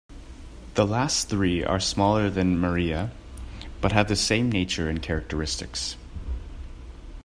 The last three are smaller than maria, but have the same nature and characteristics.